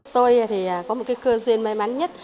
tôi có một cơ duyên may mắn nhất